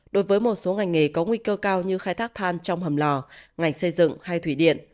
đối với một số ngành nghề có nguy cơ cao như khai thác than trong hầm lò ngành xây dựng hay thủy điện